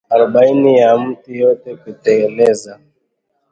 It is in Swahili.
arobaini ya miti yote kuteleza